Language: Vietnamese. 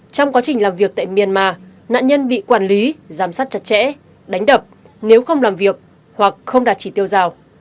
trong quá trình làm việc tại myanmar nạn nhân bị quản lý giám sát chặt chẽ đánh đập nếu không làm việc hoặc không đạt chỉ tiêu rào